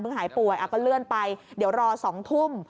หายป่วยก็เลื่อนไปเดี๋ยวรอ๒ทุ่ม